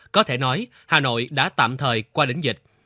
có thể nói hà nội đã tạm thời qua đỉnh dịch